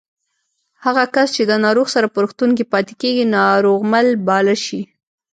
هغه کس چې د ناروغ سره په روغتون کې پاتې کېږي ناروغمل باله شي